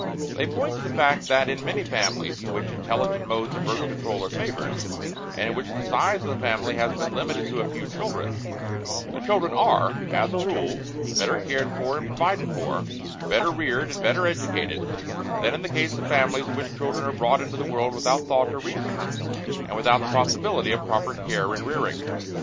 They point to the fact that in many families in which intelligent modes of Birth Control are favored, and in which the size of the family has been limited to a few children, the children are, as a rule, better cared for and provided for, better reared and better educated, than in the case of families in which children are brought into the world without thought or reason, and without the possibility of proper care and rearing.